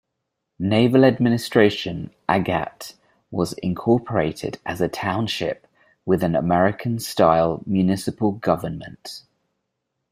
Naval administration, Agat was incorporated as a township with an American style municipal government.